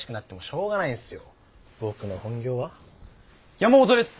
「山本です！